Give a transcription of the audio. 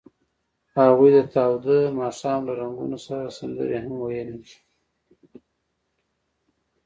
هغوی د تاوده ماښام له رنګونو سره سندرې هم ویلې.